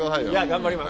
頑張ります。